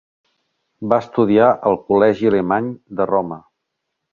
Va estudiar al Col·legi Alemany de Roma.